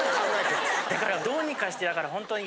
だからどうにかしてほんとに。